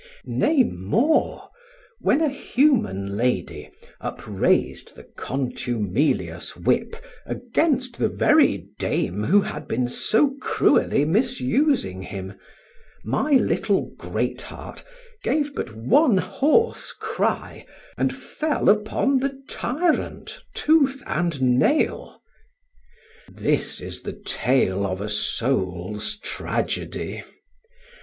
Nay more, when a human lady upraised the contumelious whip against the very dame who had been so cruelly misusing him, my little great heart gave but one hoarse cry and fell upon the tyrant tooth and nail. This is the tale of a soul's tragedy.